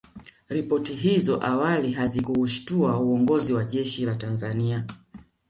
Ripoti hizo awali hazikuushtua uongozi wa jeshi la Tanzania